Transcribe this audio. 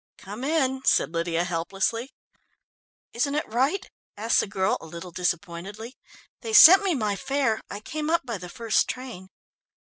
"Come in," said Lydia helplessly. "Isn't it right?" asked the girl a little disappointedly. "They sent me my fare. I came up by the first train."